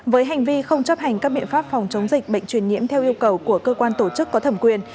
với hành vi không chấp hành các biện pháp phòng chống dịch bệnh truyền nhiễm theo yêu cầu của cơ quan tổ chức có thẩm quyền